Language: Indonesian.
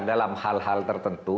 dalam hal hal tertentu